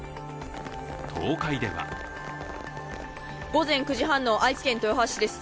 東海では午前９時半の愛知県豊橋市です。